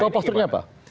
tau post truthnya apa